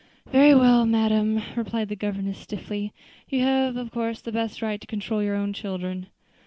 "Very well, madam," replied the governess stiffly, "you have of course the best right to control your own children."